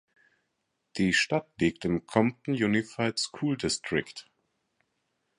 Die Stadt liegt im "Compton Unified School District".